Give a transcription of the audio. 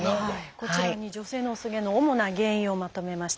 こちらに女性の薄毛の主な原因をまとめました。